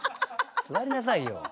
座りなさいよ。